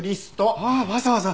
ああわざわざ。